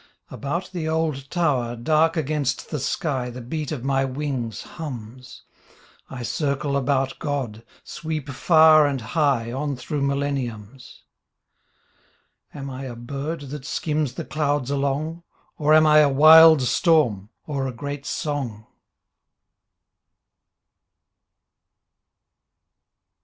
About the old tower, dark against the sky. The beat of my wings hums, I circle about God, sweep far and high On through milleniums. Am I a bird that skims the clouds along. Or am I a wild storm, or a great song?